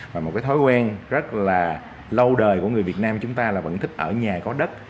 và một cái thói quen rất là lâu đời của người việt nam chúng ta là vẫn thích ở nhà có đất